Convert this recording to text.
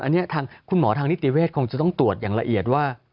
อันนี้ทางคุณหมอทางนิติเวทคงจะต้องตรวจอย่างละเอียดว่า